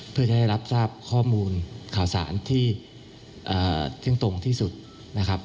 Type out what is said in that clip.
เพื่อจะได้รับทราบข้อมูลข่าวสารที่เที่ยงตรงที่สุดนะครับ